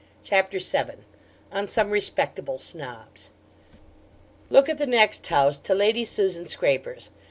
CHAPTER VII ON SOME RESPECTABLE SNOBS Look at the next house to Lady Susan Scraper's.